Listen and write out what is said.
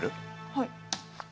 はい。